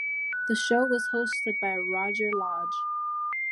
The show was hosted by Roger Lodge.